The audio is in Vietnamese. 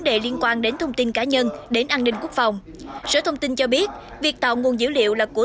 đề liên quan đến thông tin cá nhân đến an ninh quốc phòng sở thông tin cho biết việc tạo nguồn dữ liệu là của